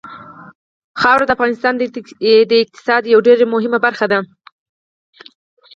خاوره د افغانستان د اقتصاد یوه ډېره مهمه برخه ده.